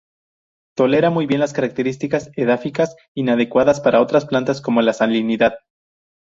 Tolera muy bien las características edáficas inadecuadas para otras plantas, como la salinidad.